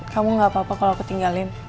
kamu gak apa apa kalau aku tinggalin